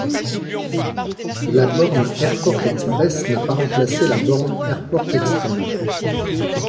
La borne AirPort Express n'a pas remplacé la borne AirPort Extreme.